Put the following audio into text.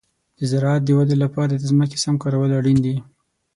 د زراعت د ودې لپاره د ځمکې سم کارول اړین دي.